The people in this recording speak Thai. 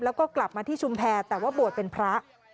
แล้วก็กลับมาที่ชุมแพรแต่ว่าบวชเป็นพระ